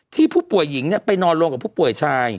ผู้ป่วยหญิงไปนอนรวมกับผู้ป่วยชาย